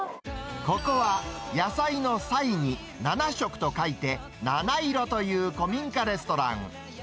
ここは野菜の菜に七色と書いて、菜七色という古民家レストラン。